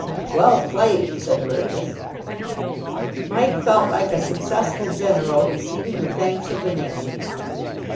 "Well played," said Burgess. Mike felt like a successful general receiving the thanks of the nation.